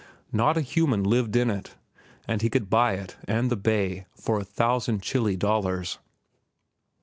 Not a human lived in it. And he could buy it and the bay for a thousand Chili dollars.